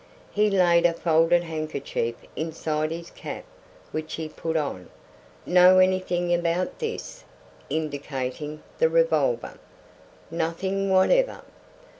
He laid a folded handkerchief inside his cap which he put on. "Know anything about this?" indicating the revolver. "Nothing whatever."